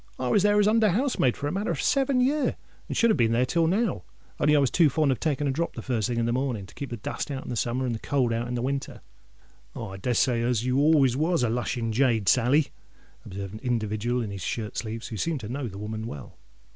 I was there as under housemaid for a matter of seven year; and should have been there till now, only I was too fond of taking a drop the first thing in the morning, to keep the dust out in summer and the cold out in winter." "Ah—I des say you was always a lushing jade, Sally," observed an individual in his shirt sleeves, and who seemed to know the woman well.